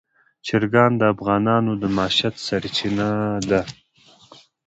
چرګان د افغانانو د معیشت سرچینه ده.